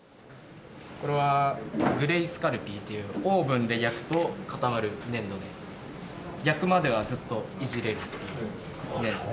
これはグレイスカルピーというオーブンで焼くと固まる粘土で焼くまではずっといじれる粘土です。